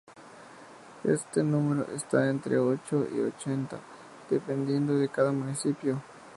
Este número está entre ocho y ochenta, dependiendo de cada municipio.